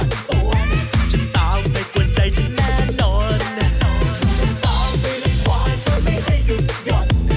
มันต้องไปเลยความเธอไม่ให้หยุดหย่อน